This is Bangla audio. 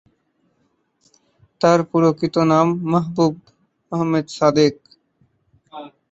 তার প্রকৃত নাম মাহবুব আহমেদ সাদেক।